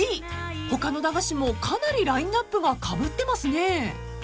［他の駄菓子もかなりラインアップがかぶってますね］